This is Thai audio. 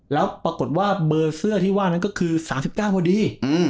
แล้วปรากฏว่าเบอร์เสื้อที่ว่านั้นก็คือ๓๙พอดี